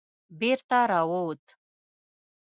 بېرته را ووت.